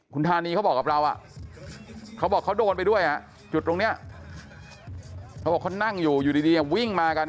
เขาบอกเขาโดนไปด้วยจุดตรงเนี่ยเขานั่งอยู่อยู่ดีวิ่งมากัน